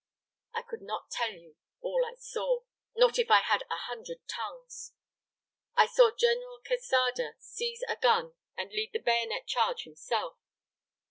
I could not tell you all I saw, not if I had a hundred tongues. I saw General Quesada seize a gun and lead the bayonet charge himself.